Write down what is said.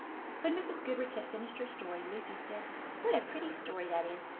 When Mrs. Goodriche had finished her story, Lucy said: "What a pretty story that is!